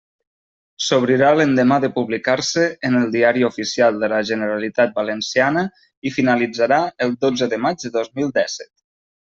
S'obrirà l'endemà de publicar-se en el Diari Oficial de la Generalitat Valenciana i finalitzarà el dotze de maig de dos mil dèsset.